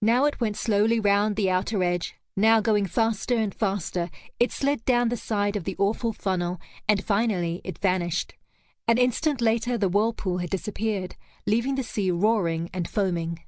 Now it went slowly round the outer edge, now, going faster and faster, it slid down the side of the awful funnel, and finally it vanished. An instant later, the whirlpool had disappeared, leaving the sea roaring and foaming.